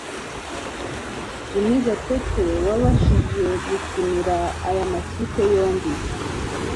Jimmy Gatete wabashije gukinira aya makipe yombi